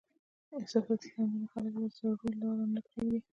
احساساتي خنډونه خلک له زړو لارو نه پرېږدي.